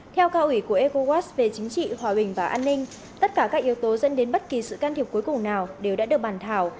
theo cao ủy của ecowas về chính trị hòa bình và an ninh tất cả các yếu tố dẫn đến bất kỳ sự can thiệp cuối cùng nào đều đã được bàn thảo